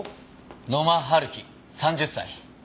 野間春樹３０歳。